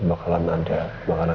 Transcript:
bawa apa sih mereka